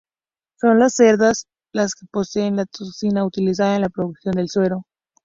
Son las cerdas las que poseen la toxina utilizada en la producción del suero.